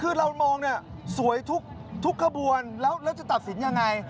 คือเรามองสวยทุกขบวนแล้วจะตัดสินอย่างไร